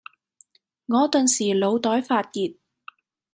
我頓時腦袋發熱